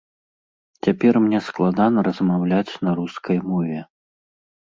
Цяпер мне складана размаўляць на рускай мове.